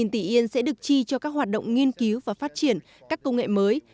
một tỷ yên sẽ được chi cho các hoạt động nghiên cứu và phát triển các công nghệ mới